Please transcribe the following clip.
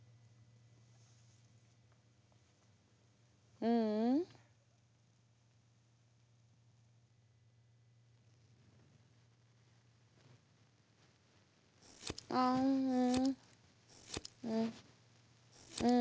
うんううんうん。